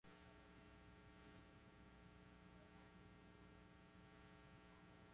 JSON (JavaScript Object Notation) é um formato de dados.